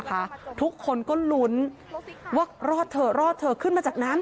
แล้วก็ค่อยลอยมาตรงนี้แล้วก็มาจมลงไป